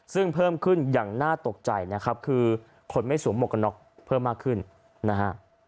ซึ่งเพิ่มขึ้นอย่างน่าตกใจนะครับคือคนไม่สวมหมวกกันน็อกเพิ่มมากขึ้นนะฮะ